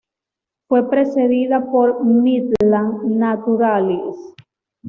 Fue precedida por "Midland Naturalist.